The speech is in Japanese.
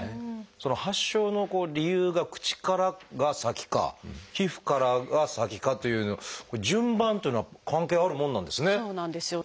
その発症の理由が口からが先か皮膚からが先かという順番というのは関係あるもんなんですね。